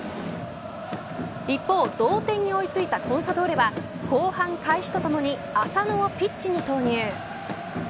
一方、同点に追いついたコンサドーレは後半開始とともに浅野をピッチに投入。